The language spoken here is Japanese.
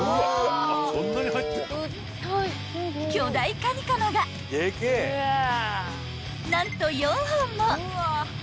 ［巨大カニカマが何と４本も！］